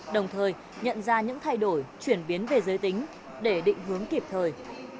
đồng thời nhận ra những thay đổi chuyển biến về giới tính để định hướng kịp thời